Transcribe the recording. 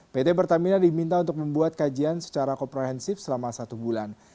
pt pertamina diminta untuk membuat kajian secara komprehensif selama satu bulan